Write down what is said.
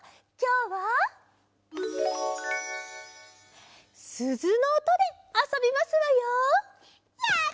きょうはすずのおとであそびますわよ。